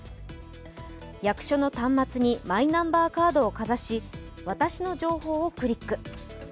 役所の端末にマイナンバーカードをかざし、「私の情報」をクリック。